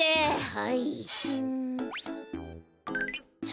はい？